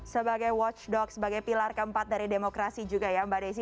sebagai watchdog sebagai pilar keempat dari demokrasi juga ya mbak desi